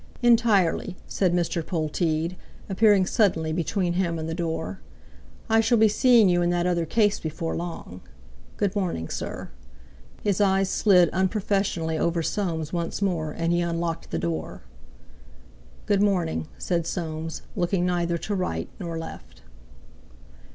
"Entirely," said Mr. Polteed, appearing suddenly between him and the door. "I shall be seeing you in that other case before long. Good morning, sir." His eyes slid unprofessionally over Soames once more, and he unlocked the door. "Good morning," said Soames, looking neither to right nor left.